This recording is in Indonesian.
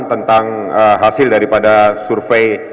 tentang hasil daripada survei